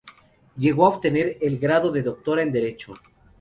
Llegó a obtener el grado de Doctora en Derecho.